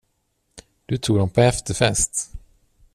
Du tog dem på efterfest.